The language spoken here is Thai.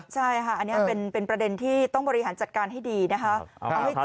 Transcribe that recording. ใช่ค่ะอันนี้เป็นประเด็นที่ต้องบริหารจัดการให้ดีนะคะ